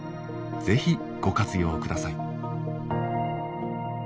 是非ご活用ください。